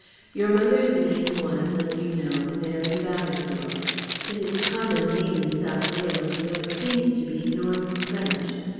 Your mother's name was, as you know, Mary Vavasour. It is a common name in South Wales though it seems to be Norman French.